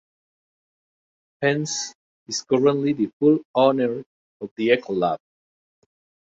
Pence is currently the full owner of The Echo Lab.